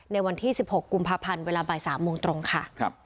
ในวันที่๑๖กุมภาพันธ์เวลาบ่าย๓โมงตรงค่ะ